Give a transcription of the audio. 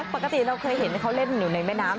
ปกติเราเคยเห็นเขาเล่นอยู่ในแม่น้ำ